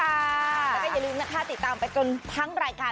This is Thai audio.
แล้วก็อย่าลืมนะคะติดตามไปจนทั้งรายการ